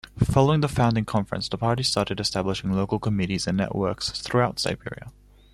Following the founding conference the party started establishing local committees and networks throughout Serbia.